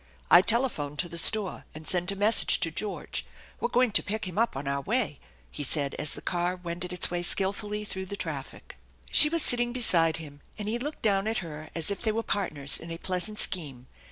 " I telephoned to the store and sent a message to George. We're going to pick him up on our way," he said as the car wended its way skilfully through the traffic. She was sitting beside him, and he looked down at her as if they were partners in a pleasant scheme.